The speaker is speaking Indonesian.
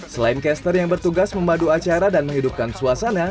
selain caster yang bertugas memadu acara dan menghidupkan suasana